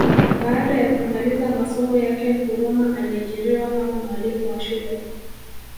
Baada ya kumaliza masomo yake Nkrumah aliajiriwa kama mwalimu wa shule